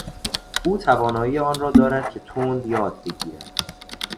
او توانایی آن را دارد که تند یاد بگیرد.